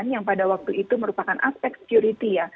yang pada waktu itu merupakan aspek security ya